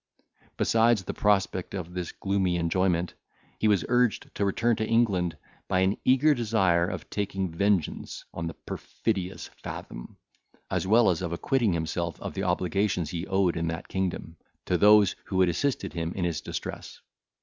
Besides the prospect of this gloomy enjoyment, he was urged to return to England, by an eager desire of taking vengeance on the perfidious Fathom, as well as of acquitting himself of the obligations he owed in that kingdom, to those who had assisted him in his distress.